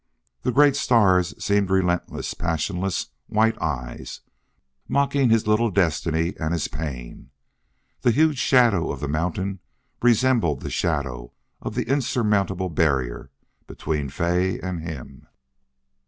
The great stars seemed relentless, passionless, white eyes, mocking his little destiny and his pain. The huge shadow of the mountain resembled the shadow of the insurmountable barrier between Fay and him.